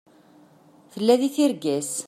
Tella deg tirga-s.